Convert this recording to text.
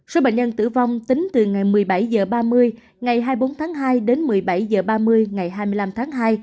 số bệnh nhân tử vong tính từ ngày một mươi bảy h ba mươi ngày hai mươi bốn tháng hai đến một mươi bảy h ba mươi ngày hai mươi năm tháng hai